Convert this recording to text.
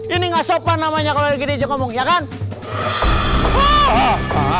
ini enggak sopan namanya kalau gede ngomong ya kan hahaha